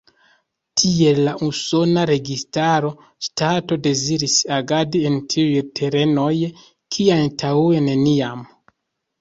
Tiel la usona registaro, ŝtato deziris agadi en tiuj terenoj, kie antaŭe neniam.